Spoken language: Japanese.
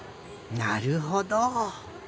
なるほど。